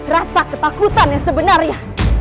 rasa ketakutan yang sebenarnya